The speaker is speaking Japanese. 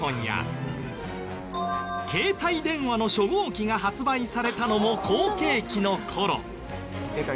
携帯電話の初号機が発売されたのも好景気の頃。